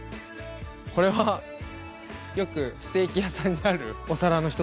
これはよくステーキ屋さんにあるお皿の一つですね。